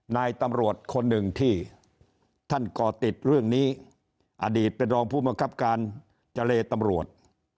นายตำรวจคนหนึ่งที่ท่านก่อติดเรื่องนี้อดีตเป็นรองผู้บังคับการเจรตำรวจ